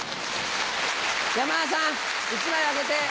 山田さん１枚あげて。